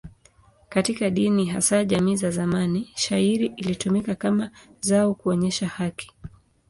Katika dini, hasa jamii za zamani, shayiri ilitumika kama zao kuonyesha haki.